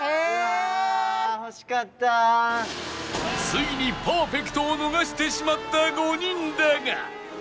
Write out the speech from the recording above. ついにパーフェクトを逃してしまった５人だが